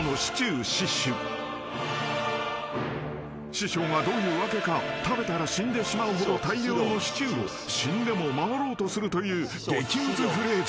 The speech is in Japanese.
［師匠がどういうわけか食べたら死んでしまうほど大量のシチューを死んでも守ろうとするという激ムズフレーズ］